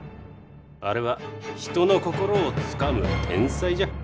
あれは人の心をつかむ天才じゃ。